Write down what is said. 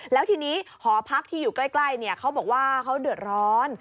แล้วทีนี้หอพักที่อยู่ใกล้เขาบอกว่าเขาเดือดร้อน